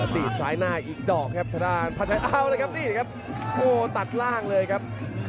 ดีดซ้ายหน้าอีกดอกครับพัดชัยอ้าวเลยครับตัดล่างเลยครับ